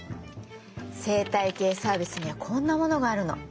生態系サービスにはこんなものがあるの。